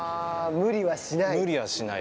無理はしない。